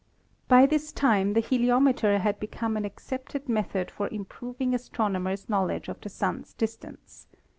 By this time the heli ometer had become an accepted method for improving as tronomers' knowledge of the Sun's distance.